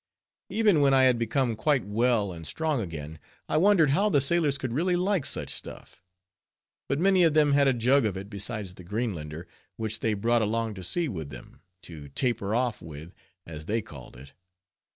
Even when I had become quite well and strong again, I wondered how the sailors could really like such stuff; but many of them had a jug of it, besides the Greenlander, which they brought along to sea with them, to taper off with, as they called it.